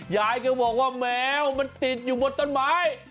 ยายก็บอกว่าแมวมันติดอยู่บนต้นไม้